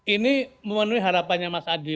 ini memenuhi harapannya mas adi